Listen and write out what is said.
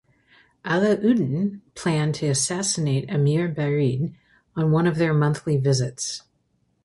Alauddin planned to assassinate Amir Barid on one of their monthly visits.